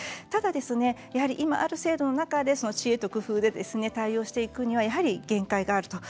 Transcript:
ただ今ある制度の中で知恵と工夫で対応していくにはやはり限界がある。